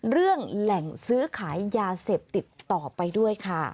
แหล่งซื้อขายยาเสพติดต่อไปด้วยค่ะ